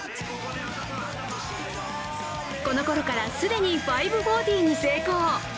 この頃から、既に５４０に成功。